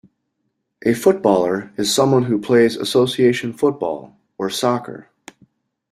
A footballer is someone who plays Association Football, or soccer